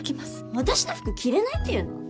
私の服着れないっていうの？